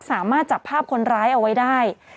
สามารถจับภาพคนร้ายเอาไว้ได้